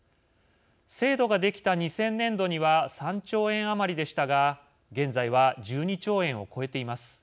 制度ができた２０００年度には３兆円余りでしたが現在は１２兆円を超えています。